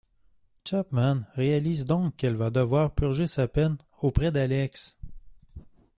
Chapman réalise donc qu'elle va devoir purger sa peine auprès d'Alex.